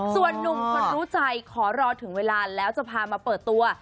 ส่วนนุ่มคนรู้ใจขอรอถึงเวลาแล้วจะพามาเปิดตัว